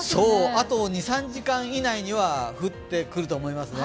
あと２３時間以内には降ってくると思いますね。